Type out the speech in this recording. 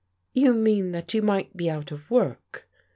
"You mean that you might be out of work?"